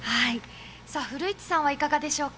古市さんはいかがでしょうか？